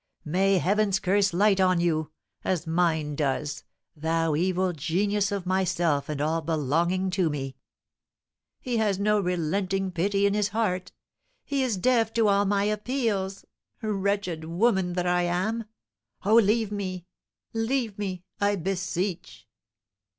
May Heaven's curse light on you, as mine does, thou evil genius of myself and all belonging to me!" "He has no relenting pity in his heart! He is deaf to all my appeals! Wretched woman that I am! Oh, leave me leave me I beseech!"